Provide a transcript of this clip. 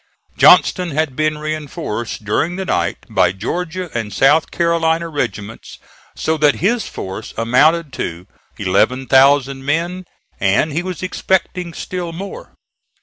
Johnston had been reinforced; during the night by Georgia and South Carolina regiments, so that his force amounted to eleven thousand men, and he was expecting still more.